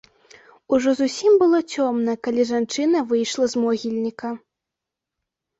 Ужо зусім было цёмна, калі жанчына выйшла з могільніка.